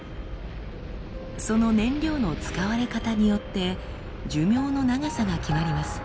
その燃料の使われ方によって寿命の長さが決まります。